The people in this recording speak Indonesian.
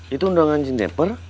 itu undangan jeneper